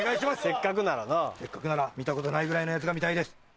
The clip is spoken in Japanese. せっかくなら見たことないぐらいのやつが見たいです。